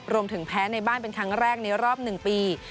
รวมถึงแพ้ในบ้านเป็นครั้งแรกในรอบ๑ปี